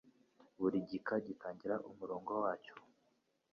Buri gika gitangira umurongo wacyo